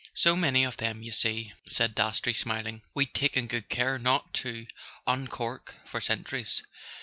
So many of them, you see," said Dastrey smiling, "we'd taken good care not to uncork for centuries.